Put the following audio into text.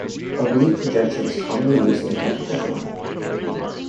Oblique projection is commonly used in technical drawing.